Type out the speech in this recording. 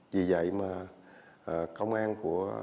vì vậy mà công an của